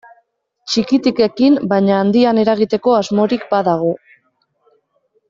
Txikitik ekin baina handian eragiteko asmorik badago.